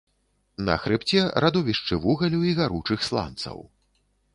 На хрыбце радовішчы вугалю і гаручых сланцаў.